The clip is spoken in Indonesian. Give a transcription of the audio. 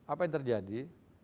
apa yang terjadi